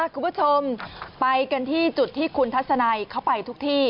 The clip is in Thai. คุณผู้ชมไปกันที่จุดที่คุณทัศนัยเขาไปทุกที่